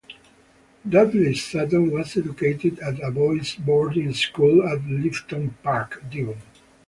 Dudley Sutton was educated at a boys' boarding school at Lifton Park, Devon.